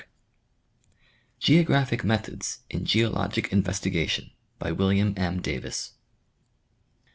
11 GEOGRAPHIC METHODS IN GEOLOGIC INVESTIGATION. By W. M. Davis.